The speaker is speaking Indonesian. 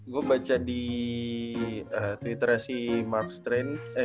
gue baca di twitternya si mark stain